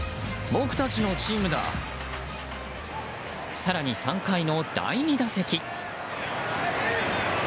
更に、３回の第２打席。